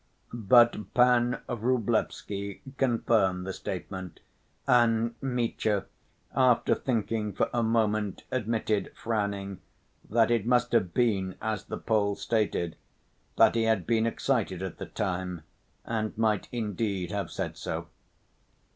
But Pan Vrublevsky confirmed the statement, and Mitya, after thinking for a moment admitted, frowning, that it must have been as the Poles stated, that he had been excited at the time, and might indeed have said so.